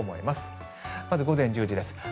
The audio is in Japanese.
まず午前１０時です。